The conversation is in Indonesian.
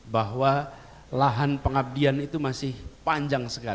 bahwa lahan pengabdian itu masih panjang sekali